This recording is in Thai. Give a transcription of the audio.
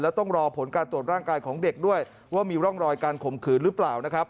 ต้องรอผลการตรวจร่างกายของเด็กด้วยว่ามีร่องรอยการข่มขืนหรือเปล่านะครับ